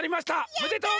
おめでとう！